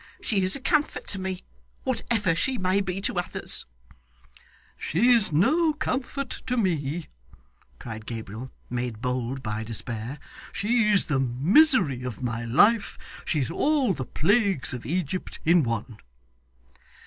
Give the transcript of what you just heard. She is a comfort to me, whatever she may be to others.' 'She's no comfort to me,' cried Gabriel, made bold by despair. 'She's the misery of my life. She's all the plagues of Egypt in one.